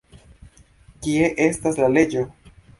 Kie estas la leĝo?